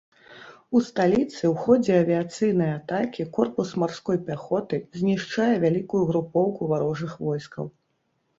У сталіцы ў ходзе авіяцыйнай атакі корпус марской пяхоты знішчае вялікую групоўку варожых войскаў.